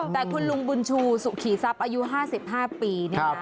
แต่คุณลุงบุญชูสุขีทรัพย์อายุ๕๕ปี